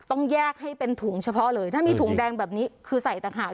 ต้องแยกให้เป็นถุงเฉพาะเลยถ้ามีถุงแดงแบบนี้คือใส่ต่างหาก